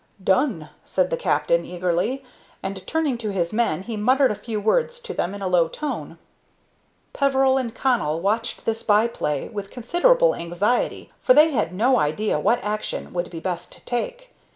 "Done!" said the captain, eagerly; and, turning to his men, he muttered a few words to them in a low tone. Peveril and Connell watched this by play with considerable anxiety, for they had no idea what action would be best to take.